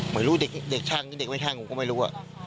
เป็นเด็กช่างหรอไม่รู้เด็กช่างเด็กไม่ช่างผมก็ไม่รู้อ่ะ